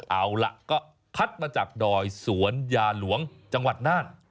เอาล่ะก็คัดมาจากดอยสวนยาหลวงจังหวัดน่าน